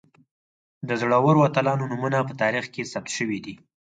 د زړورو اتلانو نومونه په تاریخ کې ثبت شوي دي.